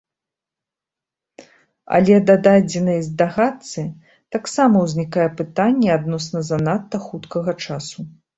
Але да дадзенай здагадцы таксама ўзнікае пытанне адносна занадта хуткага часу.